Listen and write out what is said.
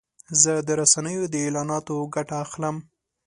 زه د رسنیو د اعلاناتو ګټه اخلم.